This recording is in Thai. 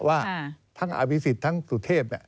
ว่าทั้งอวิสิตทั้งสุธเทพ